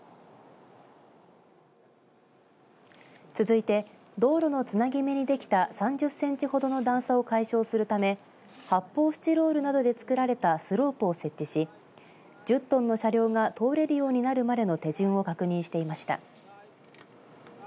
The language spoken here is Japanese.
続いて道路のつなぎ目にできた３０センチほどの段差を解消するため発泡スチロールなどで作られたスロープを設置し１０トンの車両が通れるようになるまでの手順を確認していました。